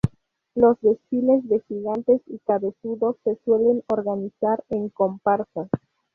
Los desfiles de gigantes y cabezudos se suelen organizar en comparsas.